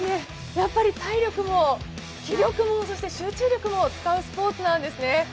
やっぱり体力も気力も集中力も使うスポーツなんですね。